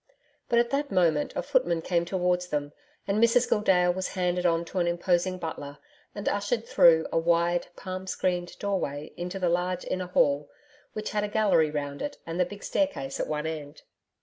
But at that moment a footman came towards them, and Mrs Gildea was handed on to an imposing butler and ushered through a wide palm screened doorway into the large inner hall which had a gallery round it and the big staircase at one end.